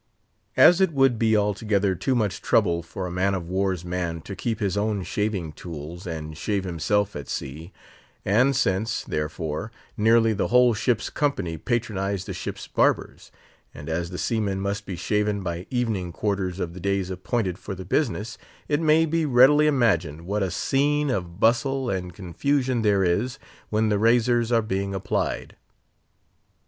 As it would be altogether too much trouble for a man of war's man to keep his own shaving tools and shave himself at sea, and since, therefore, nearly the whole ship's company patronise the ship's barbers, and as the seamen must be shaven by evening quarters of the days appointed for the business, it may be readily imagined what a scene of bustle and confusion there is when the razors are being applied.